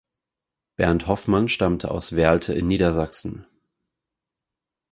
Bernd Hoffmann stammte aus Werlte in Niedersachsen.